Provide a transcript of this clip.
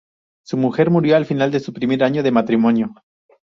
Su mujer murió a final de su primer año de matrimonio.